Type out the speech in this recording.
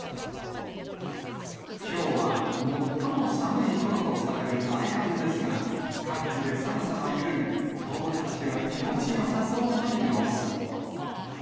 きょうは最も寒いころとされる大寒ですが、各地で寒さは緩み、動物たちは気持ちよさそうな様子。